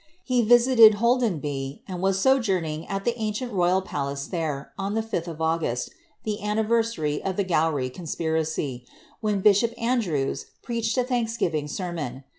He visited Iloldt^nby, and vas sojourning ai the ancient nival palace iliere, on the 5ih of August, ihe anniversary of the Gowry con spiracy, when bishop Andrews prcaclied a thanksgiving sermon.